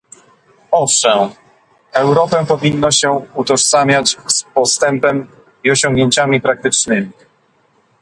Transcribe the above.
Owszem, Europę powinno się utożsamiać z postępem i osiągnięciami praktycznymi